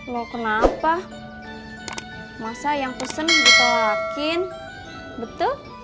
loh kenapa masa yang pesen ditolakin betul